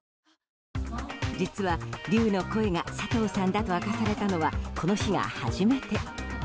実は竜の声が佐藤さんだと明かされたのはこの日が初めて。